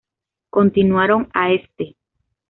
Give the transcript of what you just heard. Continuaron a St.